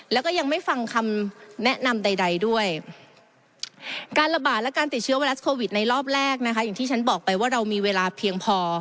แล้วก็ยังไม่ฟังคำแนะนำใดด้วย